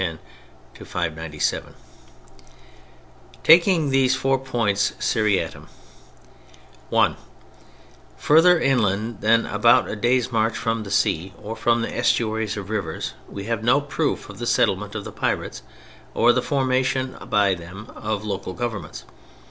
] Taking these four points seriatim: (1) Further inland than about a day's march from the sea or from the estuaries of rivers, we have no proof of the settlement of the pirates or the formation by them of local governments.